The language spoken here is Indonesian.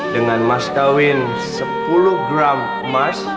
dengan maskawin sepuluh gram emas